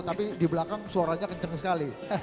tapi di belakang suaranya kenceng sekali